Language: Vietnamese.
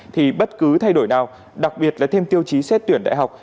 thì bất cứ thay đổi nào đặc biệt là thêm tiêu chí xét tuyển đại học